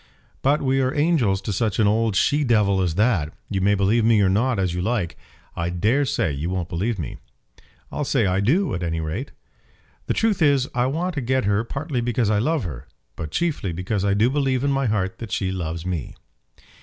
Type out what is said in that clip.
"But we are angels to such an old she devil as that. You may believe me or not, as you like. I dare say you won't believe me." "I'll say I do, at any rate." "The truth is, I want to get her, partly because I love her; but chiefly because I do believe in my heart that she loves me."